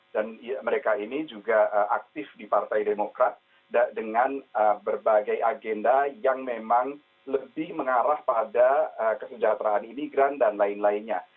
dan mereka ini juga aktif di partai demokrat dengan berbagai agenda yang memang lebih mengarah pada kesejahteraan imigran dan lain lainnya